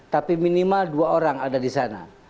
tapi minimal dua orang ada di sana